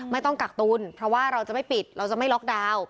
กักตุลเพราะว่าเราจะไม่ปิดเราจะไม่ล็อกดาวน์